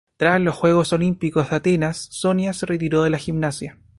Tras los Juegos Olímpicos de Atenas, Sonia se retiró de la gimnasia.